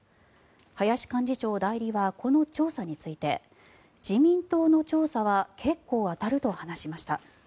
林幹事長代理はこの調査について自民党の調査は結構当たると話しました。